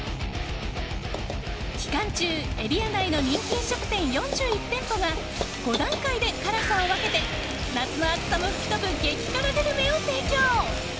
期間中、エリア内の人気飲食店４１店舗が５段階で辛さを分けて夏の暑さも吹き飛ぶ激辛グルメを提供。